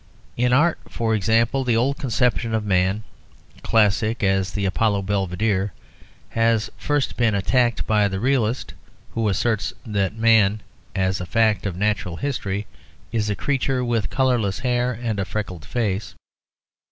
In art, for example, the old conception of man, classic as the Apollo Belvedere, has first been attacked by the realist, who asserts that man, as a fact of natural history, is a creature with colourless hair and a freckled face.